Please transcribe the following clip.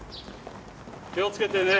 気をつけてね。